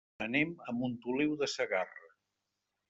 Anem a Montoliu de Segarra.